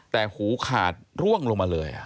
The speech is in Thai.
แต่หูขาดร่วงลงมาเลย